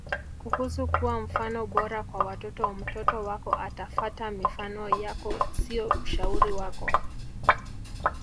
Kuhusu kuwa mfano bora kwa watoto Mtoto wako atafata mifano yako sio ushauri wako